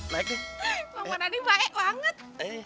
bang manadi baik banget